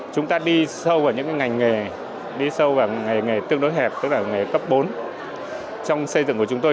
chúng ta đi sâu vào những ngành nghề đi sâu vào nghề nghề tương đối hẹp tức là nghề cấp bốn trong xây dựng của chúng tôi